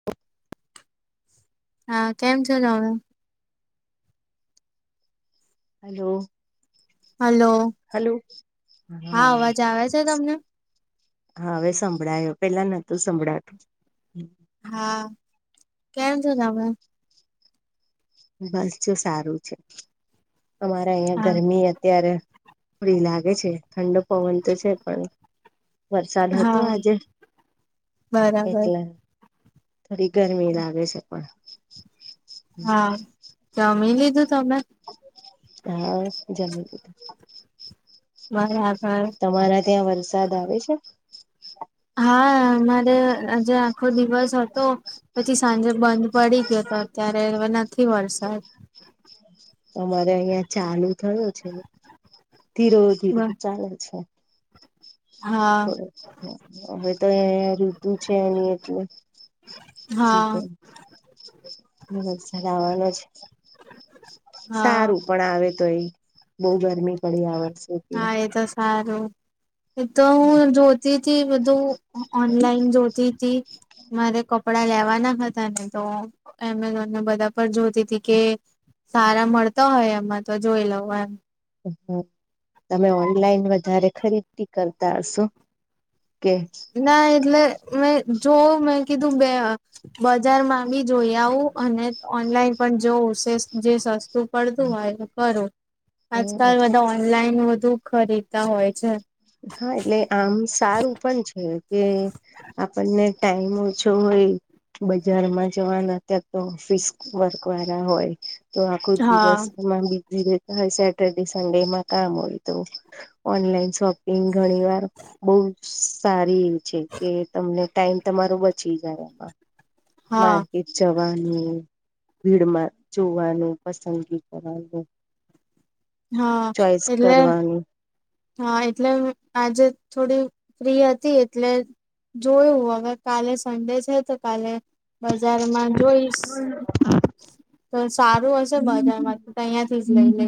[inaudible] હા કેમ છો તમે હલો હલો હા અવાજ આવે છે, તમને હા હવે સંભળાયો પેલા નતું સંભળાતું હા કેમ છો તમે બસ જો સારું છે, અમારે અહિયાં હા ગરમી અત્યારે થોડી લાગે છે, ઠંડો પવન તો છે, પણ વરસાદ હતો હા આજે બરાબર એટલે થોડી ગરમી લાગે છે, પણ હા જમી લીધું તમે હા જમી લીધું બરાબ તમારા ત્યાં વરસાદ આવે છે. હા અમારે આજે આખો દિવસ હતો પછી સાંજે બંધ પડી ગયો હતો અત્યારે હવે નથી વરસાદ અમારે અહિયાં ચાલુ થયું છે, ધીરો ધીરો હા ચાલે છે. હવે તો અ રુતુ છે, એની એટલે [inaudible] હા સઝન હરાવાનો છે. હા સારું પણ આવે તો એ બહ ગરમી પડી આવ વર્ષે એટલે હા એ તો સારું એ તો હું જો થી થી વધું ઓનલાઈન જોતી તી મારે કપડાં લેવાના હતા ને તો એમેઝોનને બધા પર જોતી હતી કે સારા મળતા હોય એમાં તો જોઈ લવ એમ હ તમે ઓનલાઈન વધારે ખરીદતી કરતા હશો કે ના એટલે મેં જોવ મેં કીધું બે બજારમાં બી જોઈ આવું અને ઓનલાઈન પણ જોવ શે જે સસ્ ું પડતું હોય કરું આજકાલ બધા ઓનલાઈન વધુ ખરીદતા હોય છે. હા એટલે આમ સારું પણ છે, કે આપણને ટાઈમ ઓછો હોય બજારમાં જવાનું અત્યારે તો ઓફિસ વર્ક વાળા હોય તો આખો હા દિવસમાં બીઝી રે હ સેટરડે સન્ડેમાં કામ હોય તો ઓનલાઈન શોપિંગ ઘણી વાર બઉુ સારી એ છે, કે તમને ટાઈમ તમારો બચી જાય એમાં હા માર્કેટ જવાનું ભીડમાં જોવાનું પસંદગી કરવાનું હા ચોઈસ એટલે કરવાનું હા એટલે આજે થોડી ફ્રી હતી એટલે જોયું હવે કાલે સન્ડે છે તો કાલે બજારમાં જોઈશ તો સારું હશે બજાર માં તો અયાથી જ લઈ લે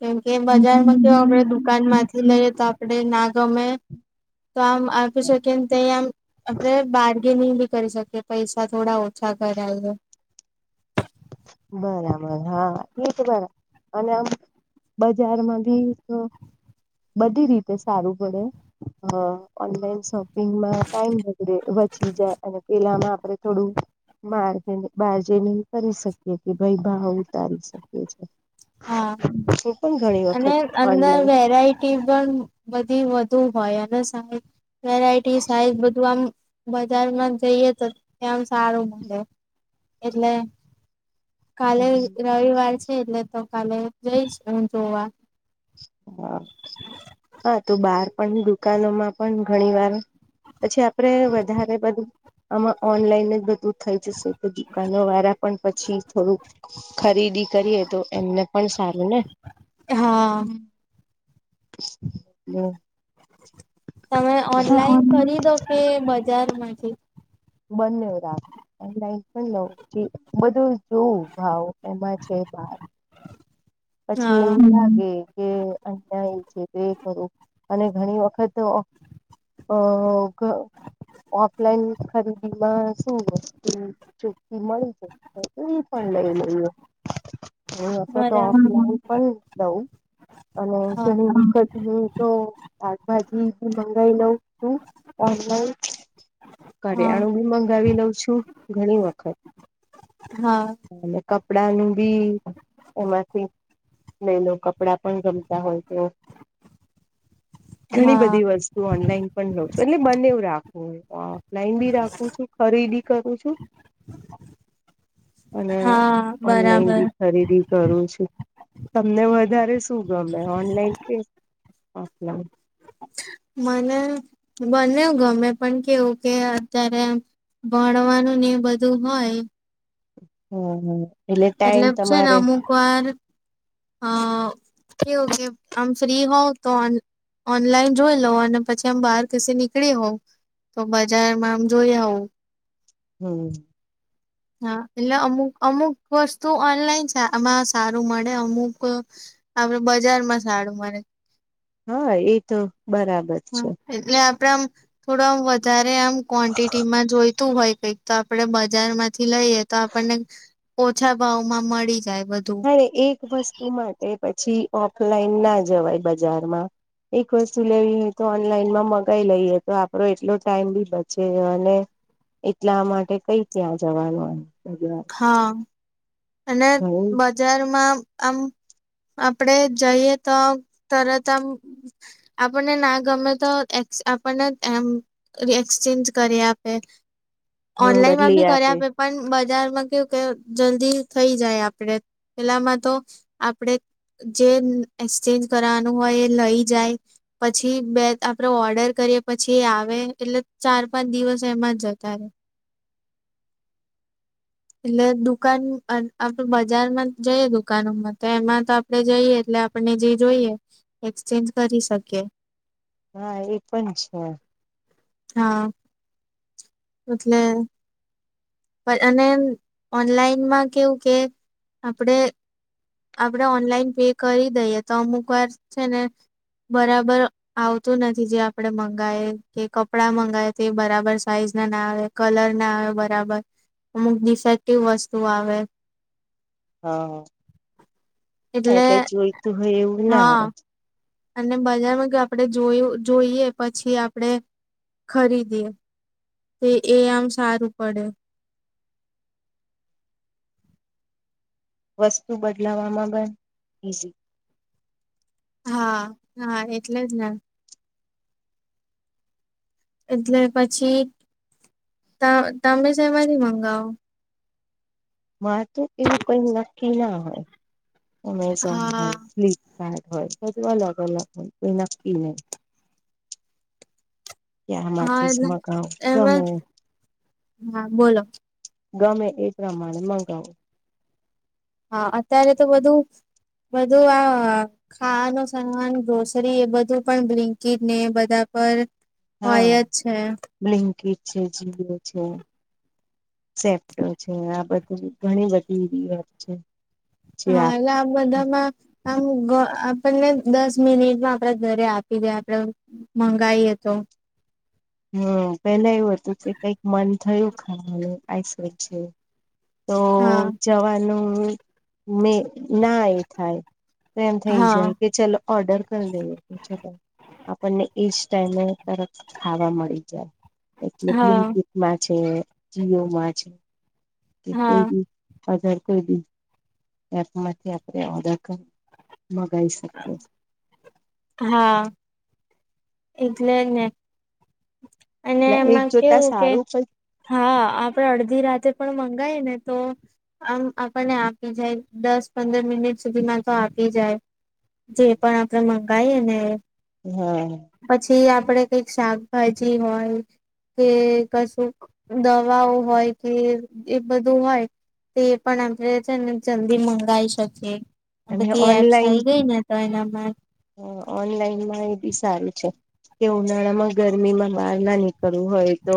કેમ કે બજારમાં કે આપણે દુકાન માંથી લઈએ તો આપડે ના ગમે તો આમ આપી છે, કે તેમ આમ આપડે બાર ગીનિંગ ભી કરી શકે પૈસા થોડા ઓછા કરાય બરાબર હા એ જ બરાબ અને બજારમાં ભી બધી તો રીતે સારું પડે અ ઓનલાઈન શોપિંગમાં ટાઈમ બગડે વચી જા અને પેલામાં આપણે થોડુ મારજીન બારજેને કરી શકીએ કે ભઈ ભાવ ઉતારી શકીએ છે. હા! હું પણ ઘણી અને વખત અંદર ઓનલાઈન વેરાઈટ ટી પણ બધી વધુ હોય અને સામે વેરાયટી સાઈઝ બધુ આમ બજારમાં જઈએ તો તેમ સારું મલે એટલે કાલે રવિવાર છે એટલે તો કાલે જઈશ ઉં જોવા હા! હા, તો બાર પણ, દુકાનોમાં પણ ઘણીવાર પછી આપડે વધારે બધુ આમાં ઓનલાઈન જ બધુ થઈ જશે, પજી કાલે વારા પણ પછી થોડુંક ખરીદી કરીએ તો એમને પણ સારું ને! એ હા... [unintelligible] તમે ઓનલાઈન ખરીદો કે બજાર માંથી? બન્ને રાખ ઓનલાઇન લઈ લવ, પછી બધુ જોઉ ભાવ એમાં છે બાર પછી હા એવું લાગે કે અન્યાય છે તે ખરું અને ઘણી વખત ઓ... ઘ ઓફલાઈન ખરીદીમાં શું વસ્તુ ચોખ્ખી મળી છે હે? કોઈ પણ લઈ લઈએ, એ વખત તો બરાબર ઓફલાઈન પણ દઉં અને હા ઘણી વખત હું તો શાકભાજી બી મંગાય લઉં છું ઓનલાઈન હા કરિયાણુંબી મંગાવી લઉં છું ઘણી વખત, હા. અને કપડાનું બી એમાં કંઈક લઈ લઉ, કપડા પણ ગમતા હોય તો ઘણી હા બધી વસ્તુ ઓનલાઈન પણ લઉં છું, એટલે બનેવું રાખું, ઓફલાઈન બી રાખુ છું, ખરીદી કરું છું અને હા બરાબર ઓનલાઈનબી ખરીદી કરું છું, તમને વધારે શું શું ગમે ઓનલાઈન કે ઓફલાઈન? મને બનેવ ગમે પણ કેવું કે અત્યારે ભણવાનું ને બધું હોય હં, હ, એટલે ટાઈમ તમારે ક્વાર અ, કેઉ કે અ આમ ફ્રી હોઉ તો ઓન ઓનલાઈન જોઈ લવ અને પછી આમ બાર કસે નીકળી હોઉ તો બજારમાં આમ જોઈ આવુ હમ હા, એટલે અમુક અમુક વસ્તુ ઓનલાઈન છે, આમાં સારું મળે, અમુક અવે બજાર માં સારુ મળે હા! એ તો બરાબર. હં, છે એટલે આપડે આમ, થોડુ આમ વધારે આમ ક્વોન્ટિટીમાં જોઈ તું હોય કંઈક તો આપડે બજાર માંથી લઈએ તો આપણને ઓછા ભાવમાં મળી જાય બધ્ હા, એ એક વસ્તુ માટે પછી ઓફલાઈન ના જવાય બજારમાં એક વસ્તુ લેવી તો ઓનલાઈનમાં મંગાઈ લઈએ, તો આપડો એટલો ટાઈમ બી બચે અને એટલા માટે કઈ ત્યાં જવાનું એમ બજાર હા! અને બજ્ જારમાં આમ આપડે જઈએ તો તરત આમ આપણને ના ગમે તો એક્સ આપણને એમ ર એક્સચેન્જ કરી આપે, હમ ઓનલાઈન માં બદલી બી કરી આપે પણ બજારમાં કેવું કે જલ્દી થઈ જાય, આપડે પેલામાં તો આપડે જે એક્સચેન્જ કરવાનું હોય, એ લઈ જાય પછી બે આપડે ઓર્ડર કરીએ પછી આવે એટલે ચાર પાંચ દિવસ એમાં જ જતા રહે એટલે દુકાન આપડ બજારમાં જઈએ દુકાનોમાં તો એમાં તો આપણે જઈએ એટલે આપણે જે જોઈએ એક્સચેન્જ કરી શકીએ હા એ પણ છે. હા એટલે અને ઓનલાઈનમાં કેવું કે આપડે આપડે ઓનલાઈન પે કરી દઈએ તો અમુક વાર છે. ને બરાબર આવતું નથી જે આપડે મંગાય કે કપડા મંગાય તે બરાબર સાઈઝ ના ના આવે કલર ના આવે બરાબર અમુક ડિફેક્ટિવ વસ્તુ આવે હા એટલે જોઈતું હોય, એવું ના હા આવે અને બજારમાં જો આપડે જોયું જોઈએ પછી આપડણે ખરીદીએ તો એ આમ સારું પડે વસ્તુ બદલાવામાં બન ઈઝી હા, હા એટલે જ ને એટલે પછી, તમે સહેમાંથી મંગાવો મારે તો એવું કઈ નક્કી ના હોય, અમેઝોન હોય હા. ફ હોય, અલગ અલગ હોય કો નક્કી નહી હા ત્યાંમાંથી જ એટલે મગાવ એમાં ગમે હા બોલો ગમે એ પ્રમાણે મગાવો હા, અત્યારે તો બધું બધું આ ખાવાનું સામાન ગ્રોસરી એ બધું પણ બિંકી ને બધા પર હા હોય જ છે બ્લિંકટ છે. જીઓ છે. સેપ્ટો છે. આ બધું ઘણી બધી છે જે હા, આપ એલા આમ બધામાં આમ આપણને, દસ મિનિટમાં આપડા ઘરે આપી દે આપડે મંગાઈએ તો હમ, પેલા એવું હતું કે કઈક મન થયું ખાવાનું આસ વચે તો હા જવાનું મે ના એ થાય તો એમ થઈ હા જાય, કે ચલો ઓર્ડર કરી દે ચાલ આપણને એ જ ટાઈમે ત ખાવા મળી જાય એટલે હા બ્લમકીિક માં છે, જીઓમાં છે. કે હા. કોઈ બીધાર કોઈ બી એપમાંથી આપણે ઓર્ડર કર મગાવાઈ શકએ હા એટલે જ ને અને એટલે એક એમાં જોતા કેવું કે સારું હા, આપડે અડધી રાતે પણ મંગાય ને તો આમ આપણને આપી જાય, દસ પંદર મિનિટ સુધી માં તો આપી જાય જે, પણ આપડે મંગાઈએ ને હમ્મ પછી આપડે કઈક શાકભાજી હોય કે કશું દવાઓ હોય કે એ બધું હોય. તે પણ આપડે છે ને જલ્દી મંગાઈ શકીએ આ અને બધી એપ્સ આ આવી ગઈ ને તો એનામા હા ઓનલાઈન માં એ બી સારું છે. કે ઉનાળા માં ગરમી માં બહાર ના નીકળવું હોય તો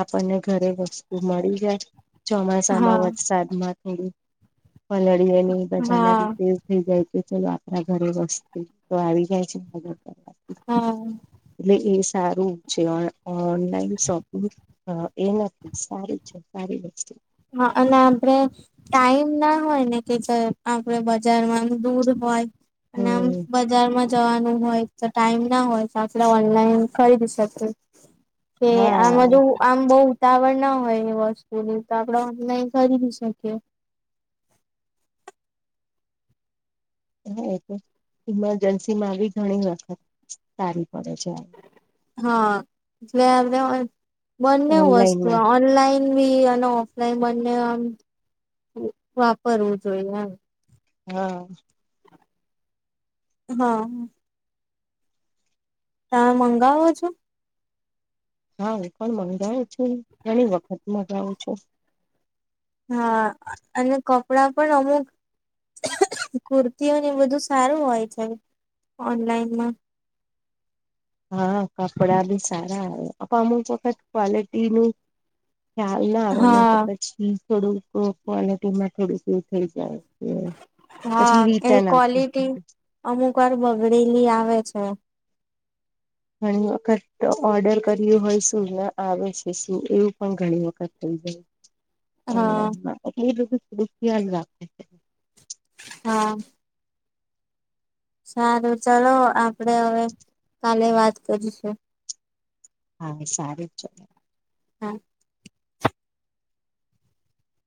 આપણને, ઘરે વસ્તુ મળી જાય. ચોમાસામાં હા વરસાદમાં થોડું પલળીએ ને બધા ના હા રીતે થઈ જાય છે ચાલ આપણા ઘરે વસ તો આવી જાય છે બધા [unintelligible] હા. એટલે એ સારું છે ઓનલાઈન શોપિંગ હ એ નથી સારી છે સારી વસ્તુ. હા અને આપણે ટાઈમ ના હોય ને કે ચલ આપડે બજારમાં દૂર હોય અને આમ હમ બજારમાં જવાનું હોય તો ટાઈમ ના હોય તો આપણે ઓનલાઈન ખરીદી શકે. કે આમ હા બધું આમ બઉ ઉતાવળ ના હોય એ વસ્તુની તો આપણે ઓનલાઈન ખરીદી શકીએ. હા તો ઈમરજન્સી માં આવી ઘણી વખત સારી પડે છે. હા જે આપણે બંને વસ્તુ ઓનલાઈનમાં ઓનલાઈન અને ઓફલાઈન બને આમ વાપરવું જોઈએ એમ. હા. હા. તમે મંગાવો છો? હા હું પણ મંગાવ છું, ઘણી વખત મંગાઉ છું. હા અને કપડા પણ અમુક કુર્તીઓને બધું સારું હોય છે ઓનલાઈનમાં હા કપડા બી સારા આવે અમુક વખત કોલીટીનું ખ્યાલ ના આવે ને તો હા પછી થોડુંક ક્વલિટી માં થોડુંક એવું થઇ જાય છે. હા એ ક્વોલિટી અમુક વાર બગડેલી આવે છે. ઘણી વખત ઓર્ડર કર્યું હોય શું ના આવે છે શું એવું પણ ઘણી વખત થઈ જાય. હા. ઓનલાઈન એટલે એ બધું થોડુંક ખ્યાલ રાખે છે. હા. સારું ચલો આપડે હવે કાલે વાત કરીશું. હા સારું. [unintelligible] હા.